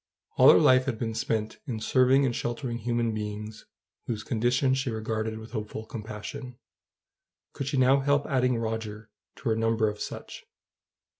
All her life had been spent in serving and sheltering human beings whose condition she regarded with hopeful compassion: could she now help adding Roger to her number of such?